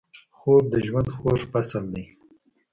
خوب د ژوند خوږ فصل دی